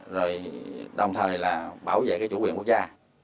rồi đồng thời là bảo vệ cái chủ quyền quốc gia